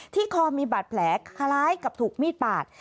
คอมีบาดแผลคล้ายกับถูกมีดปาด